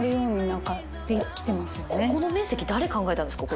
ここの面積誰考えたんですか？